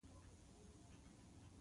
هغه یوې لويي صحرا ته ورننوتلو.